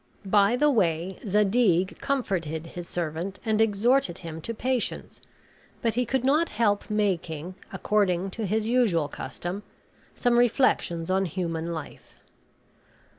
By the way Zadig comforted his servant, and exhorted him to patience; but he could not help making, according to his usual custom, some reflections on human life.